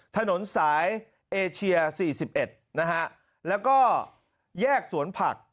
ถนนสายเอเชีย๔๑นะฮะแล้วก็แยกสวนผัก